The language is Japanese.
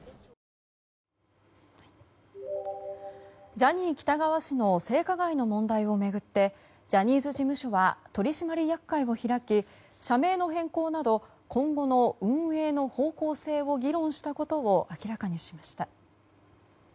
ジャニー喜多川氏の性加害の問題を巡ってジャニーズ事務所は取締役会を開き社名の変更など今後の運営の方向性を議論したことを明らかにしました。